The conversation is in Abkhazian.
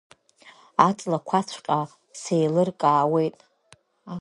Аҵлақәаҵәҟьа сеилыркаауеит.